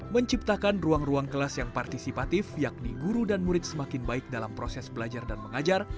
menciptakan ruang ruang kelas yang partisipatif yakni guru dan murid semakin baik dalam proses belajar dan mengajar